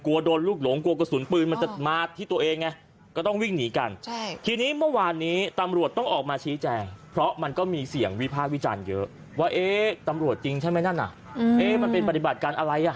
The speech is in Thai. ว่าตำรวจจริงใช่ไหมนั่นมันเป็นปฏิบัติการอะไร